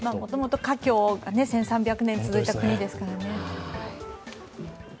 もともと華僑の１３００年続いた国ですからね。